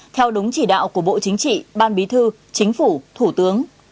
theo đúng chỉ đạo của bộ chính trị ban bí thư chính phủ thủ tướng